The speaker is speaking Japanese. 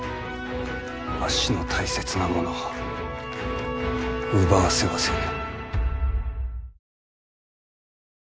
わしの大切なものを奪わせはせぬ。